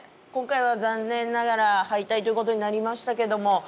今回は残念ながら敗退ということになりましたけども。